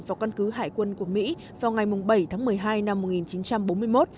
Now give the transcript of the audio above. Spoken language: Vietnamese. vào căn cứ hải quân của mỹ vào ngày bảy tháng một mươi hai năm một nghìn chín trăm bốn mươi một